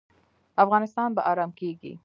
افغانستان به ارام کیږي